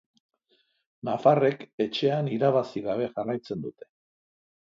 Nafarrek etxean irabazi gabe jarraitzen dute.